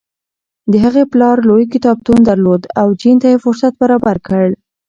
د هغې پلار لوی کتابتون درلود او جین ته یې فرصت برابر کړ.